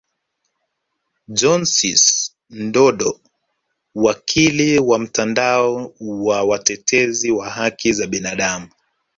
Johnsis Ndodo wakili wa mtandao wa watetezi wa haki za binadamu